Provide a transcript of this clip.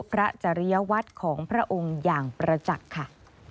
จริยวัตรของพระองค์อย่างประจักษ์ค่ะ